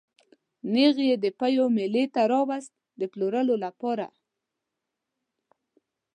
نېغ یې د پېوې مېلې ته راوست د پلورلو لپاره.